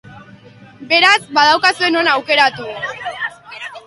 Beraz, badaukazue non aukeratu!